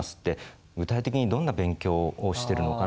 具体的にどんな勉強をしてるのかなとかね。